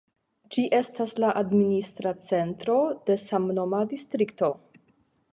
Ĝi estas la administra centro de samnoma distrikto.